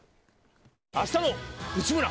「あしたの内村！！」。